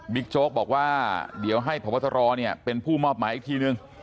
บิ๊กโจ๊กบอกว่าเดี๋ยวให้ประบวนรอเนี่ยเป็นผู้มอบหมาย๑ที